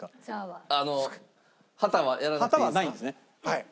はい。